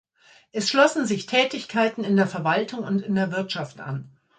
Es schlossen sich Tätigkeiten in der Verwaltung und in der Wirtschaft an.